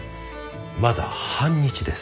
まだ半日です。